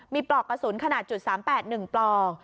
มีปลอกกระสุนขนาด๓๘๑ปลอก